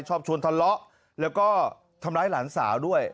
ชอบชวนทะเลาะแล้วก็ทำร้ายหลานสาวด้วย